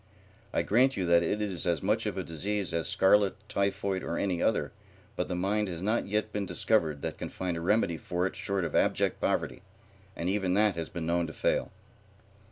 I grant you that it is as much of a disease as scarlet, typhoid, or any other, but the mind has not yet been discovered that can find a remedy for it short of abject poverty, and even that has been known to fail."